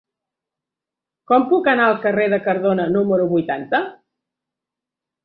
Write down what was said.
Com puc anar al carrer de Cardona número vuitanta?